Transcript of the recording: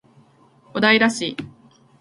小平市